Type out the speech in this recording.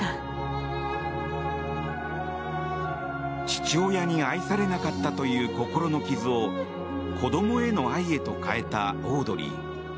父親に愛されなかったという心の傷を子供への愛へと変えたオードリー。